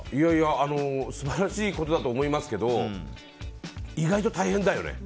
素晴らしいことだと思いますけど意外と大変だよね。